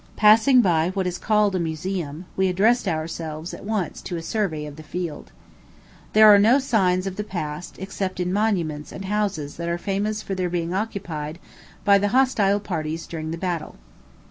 Passing by what is called a museum, we addressed ourselves at once to a survey of the field. There are no signs of the past, excepting in monuments and houses that are famous for their being occupied by the hostile parties during the battle.